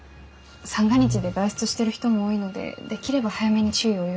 三が日で外出してる人も多いのでできれば早めに注意を呼びかけたいんですが。